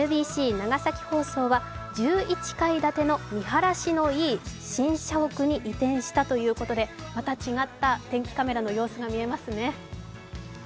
長崎放送は１１階建ての見晴らしのいい新社屋に移転したということでまた違った天気カメラの様子が見えますね。